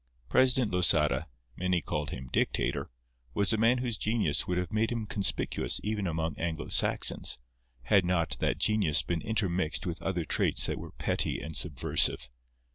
President Losada—many called him Dictator—was a man whose genius would have made him conspicuous even among Anglo Saxons, had not that genius been intermixed with other traits that were petty and subversive.